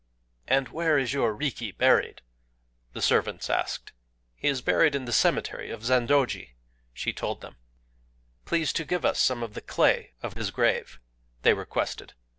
'And where is your Riki buried?' the servants asked. 'He is buried in the cemetery of Zendōji,' she told them. 'Please to give us some of the clay of his grave,' they requested.